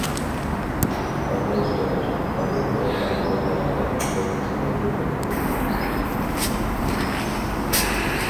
ئەھۋال سوراش، ئادەتتە ئەھۋالغا قاراپ يازمىسىڭىزمۇ بولىدۇ.